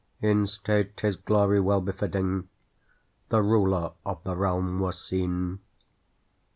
In state his glory well befitting, The ruler of the realm was seen.